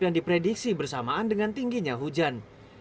yang diprediksi bersamaan dengan tingginya hujan